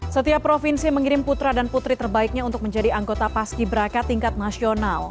setiap provinsi mengirim putra dan putri terbaiknya untuk menjadi anggota paski beraka tingkat nasional